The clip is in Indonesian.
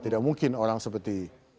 tidak mungkin orang seperti